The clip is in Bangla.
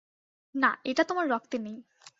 না, এটা তোমার রক্তে নেই।